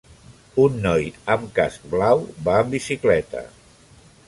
un noi amb casc blau va en bicicleta